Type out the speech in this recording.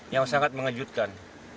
yang sangat mengejutkan